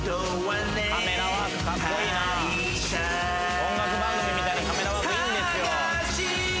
音楽番組みたいなカメラワークいいんですよ。